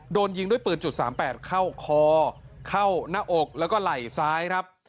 โดนยิงด้วยปืน๓๘เข้าคอเข้าหน้าอกแล้วก็ไหล่ซ้ายครับ